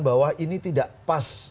bahwa ini tidak pas